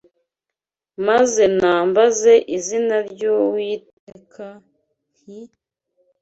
Maze nambaza izina ry’Uwiteka, nti